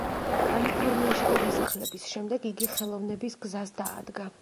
კალიფორნიაში გადასახლების შემდეგ იგი ხელოვნების გზას დაადგა.